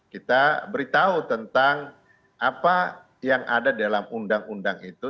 kita beritahu tentang apa yang ada dalam undang undang itu